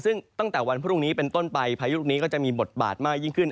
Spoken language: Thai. ซึ่งตั้งแต่วันพรุ่งนี้เป็นต้นไปพายุลูกนี้ก็จะมีบทบาทมากยิ่งขึ้น